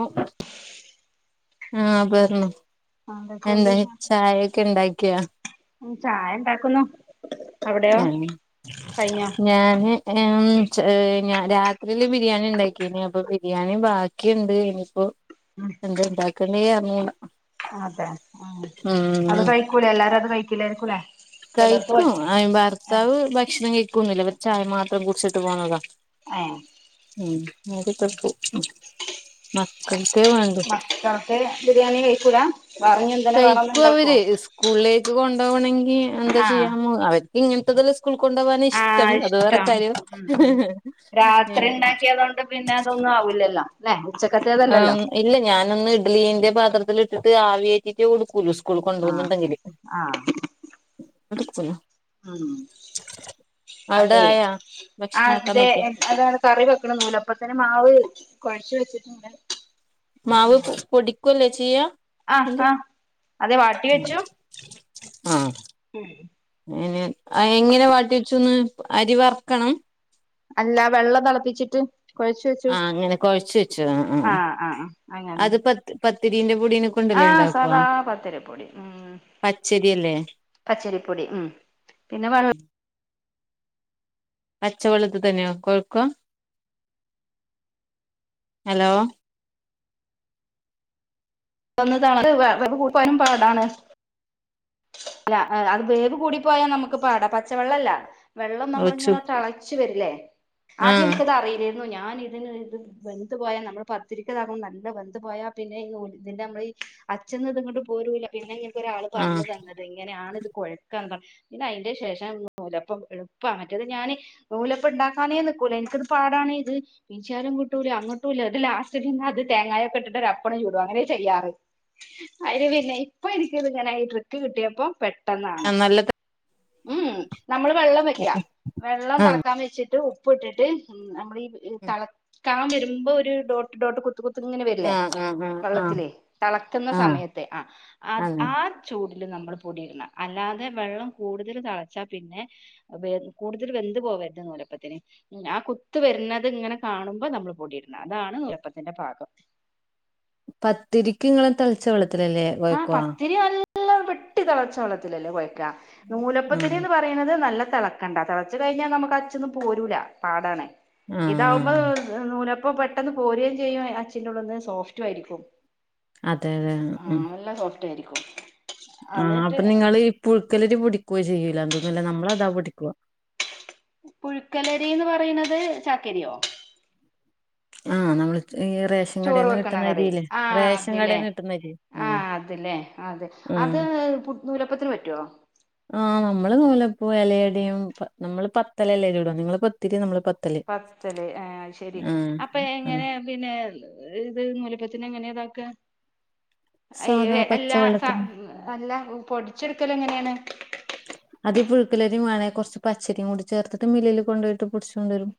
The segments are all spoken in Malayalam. ഓ ആഹ്പറും ആ എന്തൊക്കെയുണ്ട് എന്ത്‌ ചായയൊക്കെ ഇണ്ടാക്കിയോ ഉം ചായ ഉണ്ടാക്കുന്നു അവിടെയോ ഞാന് കഴിഞ്ഞോ ഞാന് ഞാൻ രാത്രിയില് ബിരിയാണി ഇണ്ടാക്കീന് അപ്പൊ ബിരിയാണി ബാക്കി ണ്ട് ഇനിപ്പോ ഉം എന്താ ഇണ്ടാക്കണ്ടേ അറിഞ്ഞൂടാ അതെ ആഹ് അത് കഴിക്കൂലെ എല്ലാരും അത് കഴിക്കില്ലായിരിക്കൂലേ ചിലർക്ക് കഴിക്കും പറ്റും അയ്ൻ ഭർത്താവ് ഭക്ഷണം കഴിക്കുംന്നില ഇവർ ചായ മാത്രം കുടിച്ചിട്ട് പോനത ഏഹ് ഉം അത് മക്കൾക്കെ വേണ്ടു ചോക്ക് ബിരിയാണി കഴിക്കൂല വേറെനൊന്നും കഴിക്കും അവര് സ്കൂളിലേക്ക് കൊണ്ടു പോണങ്കി എന്താ ആഹ് ചെയ്യാമോ അവർക്ക് ഇങ്ങനത്തെതല്ല. സ്കൂൾ കൊണ്ടോവാന് ഇഷ്ടം ആഹ് അത് വേറെ ഇഷ്ടം കാര്യം. ഉം ഹേ ഉം ഹെ ഹേ രാത്രി ഉണ്ടാക്കിയതൊണ്ട് പിന്നെ അതൊന്നും ആവുല്ലല്ലോ ല്ലേ? ഉച്ചക്കത്തേതല്ലല്ലോ.? ആഹ് ഇല്ല ഞാനൊന്ന് ഇഡലീന്റെ പാത്രത്തിലിട്ടിട്ട് ആവിയേറ്റിട്ട് കൊടുക്കൂ ളു. സ് കൂൾകൊണ്ടോകുന്നുണ്ടെങ്കില്. [inaudible] ഉും അവിടെ അല്ലെ ആയാ ആ ഭക്ഷണം ആക്കാൻ അതെ. നോക്കിയ അതാ കറിവെക്കണ് ന്നൂലഅപ്പതിന് മാവ് കുഴച്ച് വെച്ചിട്ട്ണ്ട്. മാവ് പൊടിക്കല്ലേ ചെയ്യ്യാ ആഹ് എൻ്റെ് ആഹ് അതെ വാട്ടി ആഹാ ഹും അയിന് എങ്ങനെ വാട്ടി വച്ചുന്ന് അരി വർക്കണം. അല്ല വെള്ളം തളപ്പിച്ചിട്ട്. കുഴച്ചു വ ആഹ അങ്ങനെ കൊഴച്ച് വെച്ച് ആ ആ ആഹ് അത് പത് പത്തിരിന്റെ പൊടിന് ആ സാദാ പത്തിരിപ്പൊടി ഉം. പച്ചരിയല്ലേ പച്ചരിപ്പൊടി ഉും പിന്നെ വൽ പച്ച വെള്ളത് തന്നെയാ കൊഴ്ക്കാ. ഹലോ.? ഒന്ന് തള ട്ട് വേവ് കുടിപോയലും പാടാണ് അല്ല അത് വേവ് കൂടി പോയാ നമുക്ക് പാട പച്ചവെള്ളല്ല വെള്ളം റോച്ചു നമ്മളിങ്ങനെ. ച്ഛ് വരില്ലേ? ആദ്യം ആഹ് ൻക്ക്ത് അറിയിലേന്നു. ഞാന് ഇതിന് ഇത് വെന്ത് പോയാ നമ്മള് പത്തിരിക്ക്താകും നല്ല വെന്ത് പോയാ പിന്നെ ഈന്നുൾപ്പുട്ടിൻ്റെ ഞമ്മള് ഈ അച്ഛ്ന്ന് ഇത്ങ്ങട്ട് പോരുംല്ല. പിന്നെ ഇങ്ങനക്ക് ഒരാൾ ആഹ് പറന്ന്തന്നത് ഇങ്ങനെയാണ്. ഇത് കൊഴക്കാന്ന്. പിന്നെ അയിന്റെ ശേഷം നൂലപ്പം എളുപ്പാ മറ്റത് ഞാന്. നൂലപ്പ ഇണ്ടാക്കാനേ നിക്കൂല. എനിക്ക്ത് പാടാണെ ഇത്. പിച്ചിയാലും കിട്ടുല്ല അങ്ങോട്ടുല്ല. ഇത് ലാസ്റ്റിൽ നിന്ന് അത് തേങ്ങയൊക്കെ ഇട്ടിട്ട് ഒരാപ്പം ചുടും അങ്ങനെ ചെയ്യാറ്. അയില് പിന്നെ ഇപ്പൊ ഇനിക്ക് ത്ങ്ങ നായിട്ട് ക്ക്കിട്ടിയപ്പോ പെട്ടെന്നാണ്. നല്ല ഉം ഉം നമ്മള് വെള്ളം വെക്ക്യ. വെള്ളം ആഹ് തളക്കാൻ വെച്ചിട്ട് ഉപ്പ് ഇട്ടിട്ട് നമ്മള് ഈ തള കാം വരുമ്പോ ഒര് ഡോട്ട്, ഡോട്ട്, കുത്ത്, കുത്ത്. കുത്ത് ഇങ്ങനെ വരില്ലേ? ആഹ് ആഹ് ആഹ് ആഹ് വെള്ളത്തില് തളക്കുന്ന ആഹ് സമയത്ത് ആ അങ്ങനെ ആ ചൂടില് നമ്മള് പൊടിയ്ട്ണം അല്ലാതെ വെള്ളം കൂടുതൽ തളച്ചാൽ പിന്നെ. വേ കൂടുതൽ വെന്ത് പോവര്ത് നൂലപ്പത്തിന്. ആ കുത്ത് വരുന്നത് ഇങ്ങനെ കാണുമ്പോ നമ്മൾ പൊടിയിടണം. അതാണ് നൂലപ്പത്തിന്റെ പാകം. പത്തിരിക്കിങ്ങള് തളച്ച വെള്ളത്തിലല്ലേ.? ആഹ കൊഴക്കുവാ പത്തിരി നല്ല വെട്ടി തിളച്ച വെള്ളത്തിലല്ലേ കൊയക്കാ ആഹ് നൂലപ്പത്തിനിന്ന് പറ നല്ല തിളക്കണ്ട തിളച്ച് കഴിഞ്ഞൽ നമുക്ക് അച്ചി ന്ന് പോരൂല പാടാണ് ഇത മ്മ ആഹ് നൂലപ്പം പെട്ടെന്ന് പോരേം ചെയ്യും അച്ഛിന്റെ ഉള്ന്ന് സോഫ്റ്റു ആയിരിക്കും. അതെ അതെ. ഉം ആഹ് നല്ല സോഫ്റ്റ് ആയിരിക്കും. ആഹ് എന്നിട്ട് അപ്പൊ നിങ്ങള് ഈ പുഴുക്കലരി പൊടിക്കുവോ ചെയ്യൂലാതോന്നുലെ നമ്മള അതാ പൊടിക്കാ പുഴുക്കലരിന്ന് പറയിണത് ചാക്കരിയോ? ആ നമ്മള്ത് ഈ റേഷ ചോറ് വെക്കണ കറി ആഹ് അത് ല്ലേ കിട്ടുന്ന അരി ആഹ് ഉം അത് ല്ലേ ആ അത് ഉം അത് നൂലപ്പത്തിന് പറ്റുവോ? ആഹ നമ്മള് നൂലപ്പോഎലടയും നമ്മള് പത്തല്ലല്ലേചുട. നിങ്ങള് പത്തിരി നമ്മള് പ പത്തല് എാ ശെരി അപ്പൊ ആഹ് എങ്ങനെ. പിന്നെ ഇത് നൂലപ്പത്തിന് എങ്ങനെ ഇതാക്കാ? അയ്യോ സാധാ എ എല്ലാ സ പച്ചവെള്ളത്തില് അല്ല പൊടിച്ചെട്ക്കല് എങ്ങനെയാണ്? അത് ഈ പുഴുക്കലരി വേണേ കുറച്ച് പച്ചരിയും കൂടി ചേർത്തിട്ട്, മില്ലിൽ കൊണ്ടോയിട്ട് പൊടി ചോണ്ട് വരും.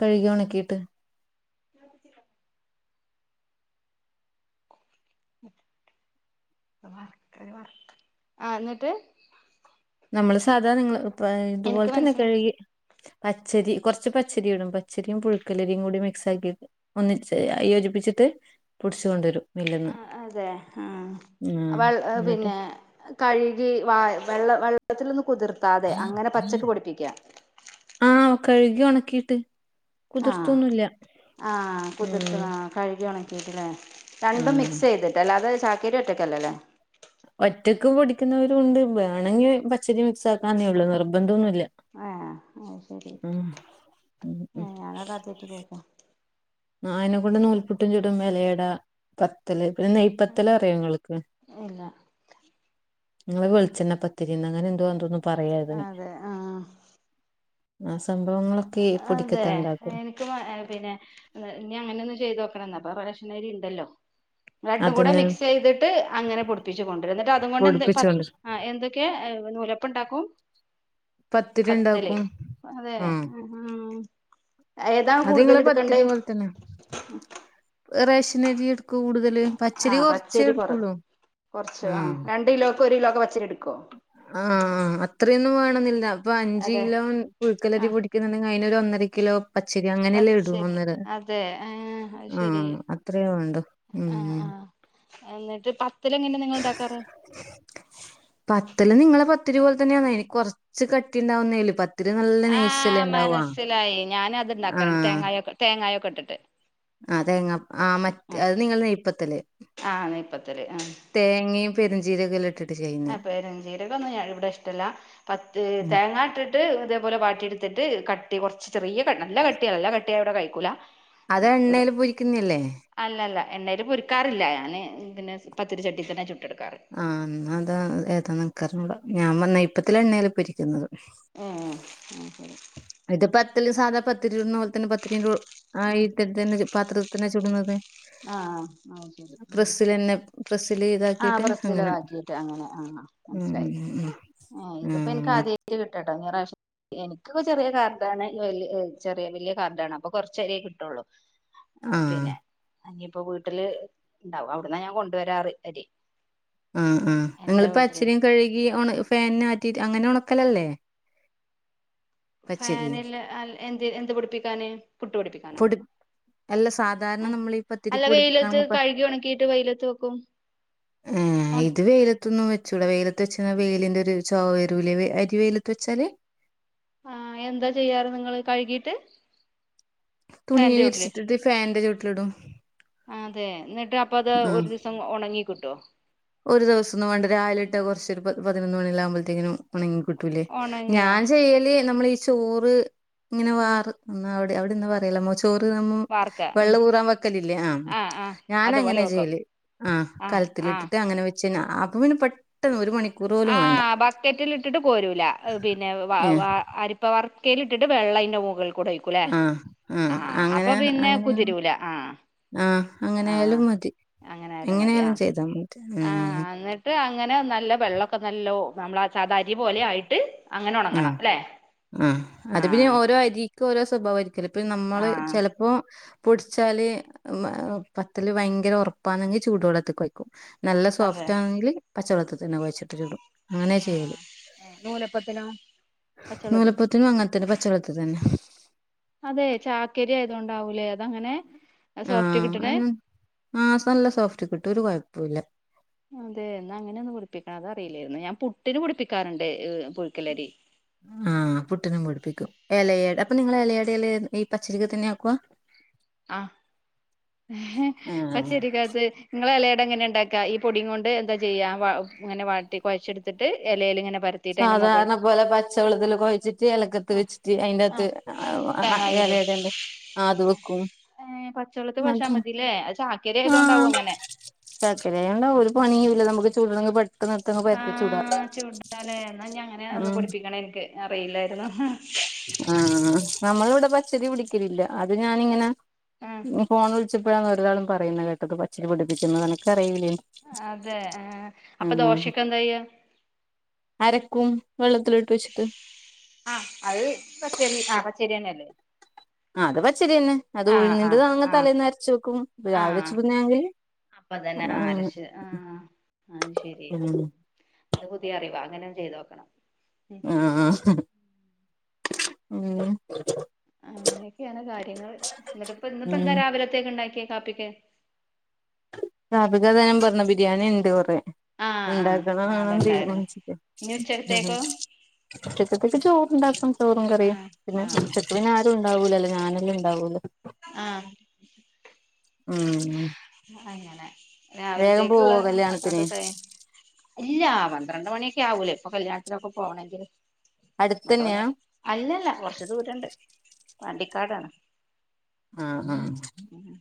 കഴ്കി ഒണെക്കീട്ട് ആഹ്, എന്നിട്ട്. നമ്മള് സാധാ നിങ്ങൾ പ്പ ഇതുപോലെ എനിക്ക് തന്നെ മനസ്സില കഴ്കി പച്ചരി കുറച്ച്, പച്ചരി ഇടും. പച്ചരിയും പുഴുക്കലരിയും കൂടി മിക്സ് ആക്കിയിട്ട്. ഒന്നിച്ച് യോജിപ്പിച്ചിട്ട് പൊടിച്ച് കൊണ്ടാെരും മില്ല്ന്ന് അ അതെ ആഹ് അ വെൾ അത് എന്നിട്ട് പിന്നെ കഴുകി വാ വെള്ള വെള്ളത്തിലൊന്ന് കുതിർത്. ആഹ്, കഴുകി ഉണക്കിട്ട്. ആഹ്, ആഹ്, കുതിർത്ത ഉം താ.. കഴുകി ഉണക്കിയിട്ട്. ല്ലേ, രണ്ടും ആഹ് മിക്സ് ചെയ്തിട്ട്. ല്ലേ, ല്ലാതെ ചാക്കരി ഒറ്റക്കല്ല ല്ലേ? ഒറ്റക്ക് പൊടിക്കുന്നവരും ണ്ട്. വേണെങ്കി പച്ചരി മിക്സ് ആക്കാന്നേ ള്ളൂ, നിർബന്ധം ന്നുല്ല. ആ അത് ശരി [unintelligible] [unintelligible] ആഹ് അതിനെ കൊണ്ട് നൂൽപുട്ടും ചൂടും എലേട പത്തല്ല് പിന്നെ നെയ്യ് പത്തല് അറിയോ ഇങ്ങള്ക്ക് ഇല്ല നിങ്ങൾ വെളിച്ചെണ പത്തിരിന്ന് അങ്ങന എന്തോ തോന്നുന്നു പറയാത് അതെ ആ ആഹ് സംഭവങ്ങളൊക്കെ പൊടിക്കത്താണ്ടാക്കും ഏഹ് പിന്നെ ഇഞ്ഞ് അങ്ങെനൊന്ന് ചെയ്താേക്കണം ന്നാപ്പം റേഷനരിണ്ടല്ലോ രണ്ടും കൂടെ അതന്നെ മിക്സ് ചെയ്തിട്ട്, അങ്ങനെ പൊടിപ്പിച്ച് കൊണ്ടര. എന്നിട്ട് അത് കൊണ്ട് എന്ത്. പ പൊടിപ്പിച്ചോണ്ട് ആഹ് എന്തൊക്കെ ഏഹ് നൂലപ്പംണ്ടാക്കും പത്തിരി പത്തല് ഉണ്ടാക്കും അതേ ഉം ഉം, ഏതാ അത് നിങ്ങളെ കൂടുതല് ടുക്കണ്ടേ? പത്തിരി പോലെ തന്നെ റേഷനരി എട്ക്കു കൂട്തല് ആഹ്, പച്ചരി കുറ കുറച്ച. ആഹ് രണ്ട് കിലോക്ക് ഒരു കിലോക്കെ പച്ചരി എടുക്കുവോ? ആഹ് അത്രയൊന്നും വേണെന്നില്ല ഇപ്പൊ അഞ്ച് അതെ കിലോൻ ആ പുഴുക്കലരി പൊടി [unintelligible] ഒരു ഒന്നര കിലോ പച്ചരി അങ്ങനെയല്ലേ ഇടൂ പച്ചരി ഒന്നര അതെ ആ അത് ശരി ആഹ് അത്രയേ വേണ്ടു ഉം ആ ആ എന്നിട്ട് പത്തല് എങ്ങനെ നിങ്ങൾ ഇണ്ടാക്കാറ് [inaudible] പത്തല് നിങ്ങള് പത്തിരി പോലെ തന്നെയാന്ന് ഇനി കൊറച്ച് കട്ടി ഉണ്ടാവുന്നേലു പത്തിരി നല്ല നൈയ്സല്ല ആഹ് ഉണ്ടാവാ മനസ്സിലായി ഞാന് അത്ണ്ടാക്കാറുണ്ട് ആഹ് തേങ്ങായൊക്കെ തേങ്ങായൊക്കെ ഇട്ടിട്ട് ആഹ് തേങ്ങ ആ മറ്റ അത് നിങ്ങൾ നെയ്യ് പത്തല് ആഹ് നെയ്പ്പത്തല് ആഹ് തേങ്ങയും പെരുംജീരൊകോം അല്ലെ ആഹ് പെരുഞ്ചീരൊകൊന്നും ഇവിടെ ഇഷ്ടമല്ല പത്ത് ഉം തേങ്ങാട്ട് അത് അതേപോലെ വാട്ടിടുത്തിട്ട് കട്ടി കുറച്ച് ചെറിയ നല്ല കട്ടിയാ നല്ല കട്ടിയ ഇവിടെ കഴിക്കൂല അത് ഒരു എണ്ണയിൽ പൊരിക്കുന്നേല്ലേ അല്ലല്ല എണ്ണല് പൊരിക്കാറില്ല ഞാന് ഇങ്ങെ പത്തിരി ചട്ടിയിൽ തന്നെ ചുട്ടെടുക്കാറ് ആഹ് എന്നാ അതാ ഏതാ നിക്കറിഞ്ഞൂട ഞാൻ നെയപ്പത്തില് എണ്ണല പൊരിക്കുന്നത് ഏഹ് ആഹ് ശരി ഇത് പത്തല് സാധാ പത്തിരി ചുടുന്ന പോലെ തന്നെ പത്തിരിൻ്റെ കു ഇതന്നെ പാത്രത്തിന് ചുടുന്നത് ആഹ് ആഹ് ശരി ആഹ് പ്രസ്സിൽ തന്നെ പ്രസ്സില് ഇതാക്കി [unintelligible] ആക്കിട്ട് അങ്ങനെ ആഹ് ആഹ് ഉം മൻസിലായി ഉം ഉം അഹ് ഇതിപ്പൊ എനിക് ഉം അതി [unintelligible] കിട്ടട്ടെ നിറാവശം എനിക്കിപ്പോ ചെറിയ കാർഡാണ് [unintelligible] ചെറിയ വലിയ കാർഡാണ് അപ്പൊ കൊറച്ചരിയേ കിട്ടുള്ളൂ ആ പിന്നെ എനിയിപ്പോ വീട്ടില് ഉണ്ടാവും അവിടന്നാ ഞാൻ കൊണ്ടുവരാറ് അരി ആഹ് ആഹ് എന്റെ നിങ്ങളിപ്പോ വീട്ടില് പച്ചരിയും കഴുകി ഉണ ഫാൻ ആറ്റിട്ട് അങ്ങനെ ഉണക്കലല്ലേ പച്ചരി ഫാനില് എന്ത് എന്ത് പൊടിപ്പിക്കാന് പുട്ട് പൊടിപ്പിക്കാനാ പൊടി അല്ല സാധാരണ അഹ് നമ്മളീ പത്തിരിക്ക് അല്ല വെയിലത്ത് പൊടിപ്പിക്കാണെങ്കി കഴുകി ഒണക്കീട്ട് വെയിലത്ത് വെക്കും. ആഹ് ഒണ ഇത് വെയില ത്തൊന്നും വച്ചൂടേ വെയിലത്ത് വെച്ച്ന്ന വെയിലിന്റൊരു ചൊവവരൂലേ വെ അരി വെയിലത്ത് വെച്ചാല്. ആഹ് എന്താ ചെയ്യാറ് നിങ്ങള് കഴുകിട്ട്. തുണിയെ വിരിച്ചിട്ടിട്ട് ഫാൻന്റെ ചോട്ടിലിടും. ആതേ ന്നട്ട് അപ്പത് ഒരു ആഹ് ദിവസം ഒണങ്ങിക്കിട്ടോ. ഒരു ദൊവസൊന്നും വേണ്ട രാവിലട്ട് കൊർച്ചൊരു പ പതിനൊന്ന് മണിയെല്ലാമ്പത്തേക്കിനും ഒണങ്ങി. കിട്ടൂലേ ഉണങ്ങിയോ ഞാചെയ്യല് നമ്മളീ ചോറ് ഇങ്ങനെ ഉം വാറ്. ന്നാവടെ അവിടിന്ന് പറിലോ മോച്. ചോറ് നമ്മും വാർക്ക ബെള്ള ഉം ഊറാൻ വെക്കലില്ലേ ആഹ് ആഹ് അതുപോലെ ഞാനങ്ങനെ വെക്കും ചെയ്യല്. ആഹ് കൽത്തിലിട്ടിട്ട് അങ്ങനെ വെച്ചയ്ന്ന അപ്പപ്പിന്നെ പെട്ടെന്ന് ഒരു മണിക്കൂറോലും വേണ്ട. ആഹ് ബക്കറ്റിലിട്ടിട്ട് കോരൂല അ പിന്നെ വ ഏഹ് വാ അരി പ വർക്കെലിട്ടിട്ട് വെള്ളയ്ന്റെ മുകൾക്കൂടെ ഒയ് ക്കുലെ ആഹ്. ആഹ് അങ്ങനെ അപ്പപിന്നെ അങ്ങനെ കുതിരൂല ആഹ്. ആഹ് ആഹ് അങ്ങനായാലും മതി എങ്ങനെയാലും ചെയ്ത മ ആ ന്ന്ട്ട് അങ്ങനെ നല്ല വെള്ളൊക്കെ നല്ലോ നമ്മളെ സാധാ അരിപോലായിട്ട് അ ആ അത് പിന്നെ ആഹ് ഓരോ അരി ക്കോരോ സ്വഭാവായിര്ക്കലോ ഇപ്പോ നമ്മള് ആഹ് ചെലപ്പോ പൊട്ച്ചാല്. മ ഒ പത്തല് ഭയങ്കര ഒർപ്പാണെങ്കി ചൂടുവെള്ളത്ത് കൊയ്ക്കും നല്ല അതെ സോഫ്റ്റാണെങ്കില്. പച്ചള്ളത്ത്തന്നെ കൊയ്ച്ട്ട് ചുടും അങ്ങനെ ചെയ്യല്. ന്നൂലപ്പത്തിനോ. ന്നൂലപ്പത്തിനും അങ്ങൻത്തന്നെ പച്ചവള്ളത്ത്തന്ന. അതെ ചാക്കരി ആയതോണ്ടാവൂലേ അതങ്ങനെ ആ സോഫ്റ്റ് അ കിട്ടണേ ആ നല്ല സോഫ്റ്റ് കിട്ടും ഒരു കൊഴപ്പുല്ല അതെ എന്നാ അങ്ങനൊന്ന് പൊടിപ്പിക്കണം അതറിയില്ലായിരുന്നു ഞാൻ പുട്ടിന് പൊടിപ്പിക്കാറുണ്ട് പുഴക്കല്ലരി. ആഹ് ആ പുട്ടിനും പൊടിപ്പിക്കും എലയ അപ്പൊ നിങ്ങള് എലയടെല്ലം ഈ പച്ചരിത്തെന്നെ ആക്കാ ആഹ് അത് ആഹ്. ശരിക്കത്. ങ്ങള് എലയട എങ്ങനെണ്ടാക്കാ ഈ പൊടിങൊണ്ട് എന്താ ചെയ്യാ വ ഇങ്ങനെ വാട്ടി കൊഴച്ച്ട്ത്ത്ട്ട് എലേലിങ്ങനെ പരത്തി സാധാരണ പോലെ പച്ചവെള്ളത്തിലൊക്കൊയ്ച്ച്ട്ട് എലക്കത്ത് ആഹ് വെച്ചിട്ട് അയിന്റെകത്ത് ആഹ് [unintelligible] തേങ്ങായിടും എലടന്റെ ആഹ് അത് വെക്കും. ഏഹ് പച്ചവെള്ളത്ത് കൊയച്ച മതില്ലേ അത് ചാക്കരി ആയതോണ്ടാവും അങ്ങനെ ചാക്കര ഉണ്ട ഒരു പണിയുല്ല നമുക്ക് ചുടണെങ്കി പെട്ടെന്ന് പെട്ടന്ന് പരത്തി ചുടാ. [unintelligible] ന്നാഞ്ഞി അങ്ങനെ ഒന്ന് ഉം പൊടിപ്പിക്കണം ഇൻക്ക് അറിയില്ലായിരുന്നു ആ നമ്മളിവിടെ പച്ചരി പൊടിക്കലില്ല അത് ഞാനിങ്ങനെ ആഹ് ഫോൺ വി വിളിച്ചപ്പഴാണ് വേറെരാളും പറയുന്ന കേട്ടത് പച്ചരി പൊടിപ്പിക്കുന്നത് അനക്കറിയില്ലായിരുന്നു. അതെ ആ അപ്പൊ ദോശക്കെന്താ ചെയ്യ അരക്കും വെള്ളത്തില്ട്ട് വെച്ച്ട്ട് അ അത് പച്ചരി ആ പച്ചരിന്നല്ലേ ആഹ് അത് പച്ചെരിയന്നെ അത് ആഹ് ആഹ് ഉഴുന്നിന്റെതങ്ങ് ആഹ് തലേന്ന് അരച്ചു വെക്കും രാവിലെ ചുടുന്നതെങ്കിൽ അപ്പതന്നെ ആഹ് അരച്ച് ആഹ് അഹ്ശെരി ഉം ആഹ് ഇത് പുതിയ അറിവാ അങ്ങനൊന്ന് ചെയ്തോക്കണം. ആഹാ ഉംഹ് അങ്ങനെക്കെയാണ് കാര്യങ്ങള് ന്നിട്ട്പ്പോ ഉം ഇന്ന്‌പ്പോന്താ രാവിലെത്തേക്ണ്ടാക്കിയേ കാപിക്ക് കാപ്പിക്കല്ലേ ഞാൻ പറഞ്ഞെ ബിരിയാണിണ്ട് കൊറെ. ആ ആ ഇണ്ടാക്കണോ ആ വേണോന്ന് അതുണ്ടായിരുന്നു തീരുമാനിച്ചില്ല ഇനി ഉച്ചക്കത്തേക്കോ ഉച്ചക്കത്തേക്ക് ചോറ്ണ്ടാക്കും ചോറും ആ കറിയും പിന്നെ ആ ഉച്ച പിന്നെ ആരൂണ്ടാവൂലല്ലോ ഞാനല്ലേണ്ടാവൊള്ളൂ ആഹ് ഉംഹ് അങ്ങനെ പോവോ രാവിൽത്തേക്ക്ള്ളന്നെ അപ്പാപ്പ കല്യാണത്തിന് കഴിഞ്ഞ് ഇല്ലാ പന്ത്രണ്ട് മണിക്കെ ആവൂലേ ഇപ്പൊ കല്യാണത്തിനൊക്കെ പോണങ്കില് അടുത്തന്നെയാ [unintelligible] അല്ലല്ലാ കൊർച്ച് ദൂരണ്ട് വണ്ടിക്കാടാണ്. ആഹ് ആഹ് ഉം ഉം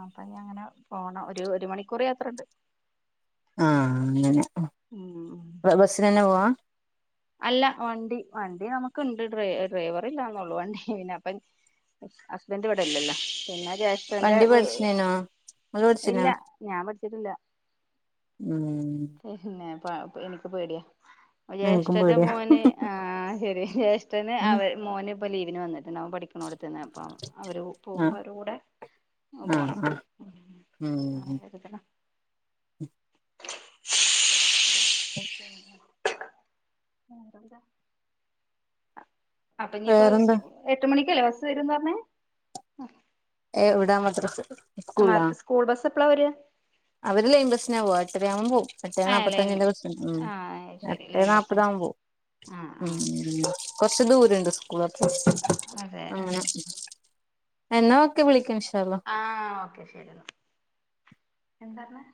അപ്പ ഇഞ്ഞിയങ്ങനെ പോണം ഒര് ഒര് മണിക്കൂറ് യാത്ര ഇണ്ട്. ആഹ് അങ്ങനെ ഉം. ഉം ബ ബസിനന്നേ പോവാ? അല്ല വണ്ടി വണ്ടി നമ്ക്ക്ണ്ട് ഡ്ര ഡ്രൈവറ് ഇല്ലാന്നോള്ളൂ വണ്ടി പിന്നെ അപ്പ ഹസ്ബൻഡ് ഇവടെ ഇല്ലല്ലോ പിന്നെ ജേഷ്ഠന്റെ വണ്ടി വ് പഠിച്ചിനേനോ ഇങ്ങള് ഇല്ല പഠിച്ചിനാ ഞാൻ പഠച്ചിട്ടില്ല. ഉം പിന്നെ പ എനിക്ക് പേടിയാ ഇൻക്കും ജേഷ്ഠന്റെ പേടിയാ മോന് ആ ശരി ജേഷ്ഠന് അവ ആഹ് മോന് ഇപ്പ ലീവിന് വന്ന്ട്ടണ്ട് അവൻ പഠിക്ക് ക്കണോട്ത്തന്നെ അപ്പോ അവര് പോവുമ്പോ അവരെ കൂടെ ഓ ആഹ് പോണം ആഹ് ഉം ഉം [unintelligible] [inaudible] [inaudible] അപ്പ ഇഞ്ഞിപ്പോ വേറെന്താ [unintelligible] എട്ട് മണിക്കല്ലെ ബസ് വരുന്ന് പറഞ്ഞെ? എവ്ടാ മദ്രസ? അമാർക്ക് സ്കൂൾ ബസ് എപ്പളാ വരാ? അവര് ലൈൻ ബസ്നാ പോവാ എട്ടരായാവുമ്പോ പോവും. എട്ടേ ആ ലൈൻ നാപ്പത്തഞ്ചിന്റെ ബസ് ഉം ആ ശരി എട്ടേ ലൈൻ ബസ് നാപതാവുമ്പോ ആഹ് പോവും ആഹ് ഉം. കൊറച്ച് ദൂരണ്ട് സ്കൂൾലോട്ട് അതെ ആഹ് അങ്ങനെ. എന്നാ ഓക്കെ വിളിക്ക ഇൻശാഅള്ളാ. ആഹ് ഓക്കെ ശരിന്നാ എന്താർഞ്ഞ്?